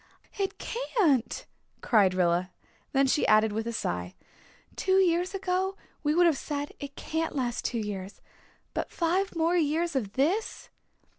"It can't," cried Rilla; then she added with a sigh, "Two years ago we would have said 'It can't last two years.' But five more years of this!"